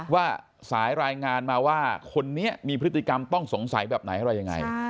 ว่าสายรายงานมาว่าคนนี้มีพฤติกรรมต้องสงสัยแบบไหนอะไรยังไง